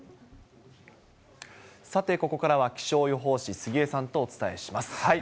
さて、ここからは気象予報士、杉江さんとお伝えします。